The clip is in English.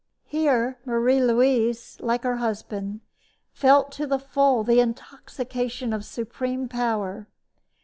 Here Marie Louise, like her husband, felt to the full the intoxication of supreme power.